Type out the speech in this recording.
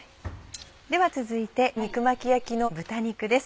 では続いて肉巻き焼きの豚肉です。